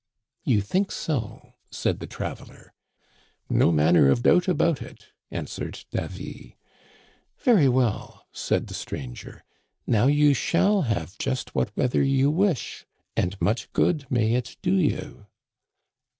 You think so,' said the traveler. "* No manner of doubt of it,* answered Davy. ^Very well,' said the stranger ;* now you shall have just what weather you wish, and much good may it do you.'